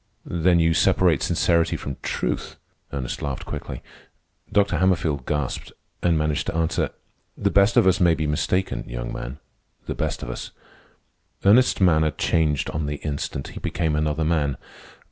"Then you separate sincerity from truth?" Ernest laughed quickly. Dr. Hammerfield gasped, and managed to answer, "The best of us may be mistaken, young man, the best of us." Ernest's manner changed on the instant. He became another man.